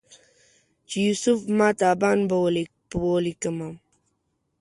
چې یوسف ماه تابان په ولیکمه